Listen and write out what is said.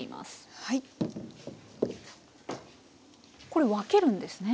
これ分けるんですね？